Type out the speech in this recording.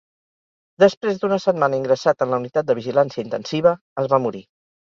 Després d’una setmana ingressat en la unitat de vigilància intensiva, es va morir.